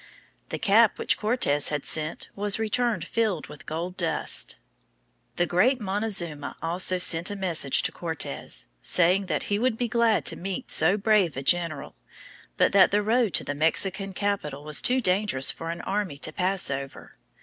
The cap which Cortes had sent was returned filled with gold dust. The great Montezuma also sent a message to Cortes, saying that he would be glad to meet so brave a general, but that the road to the Mexican capital was too dangerous for an army to pass over.